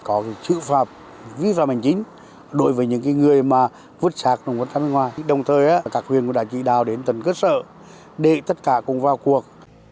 có chữ phạm ví phạm hành chính đối với những người vứt sạc động vật ra bên ngoài đồng thời các quyền đã chỉ đào đến tầng cơ sở để tất cả cùng vào cuộc